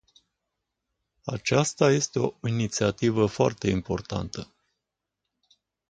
Aceasta este o inițiativă foarte importantă.